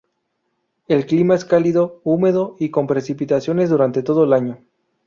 El clima es cálido, húmedo y con precipitaciones durante todo el año.